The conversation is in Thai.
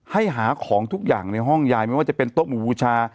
หาของทุกอย่างในห้องยายไม่ว่าจะเป็นโต๊ะหมู่บูชา